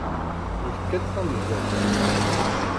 Yefka-d tameẓẓuɣt.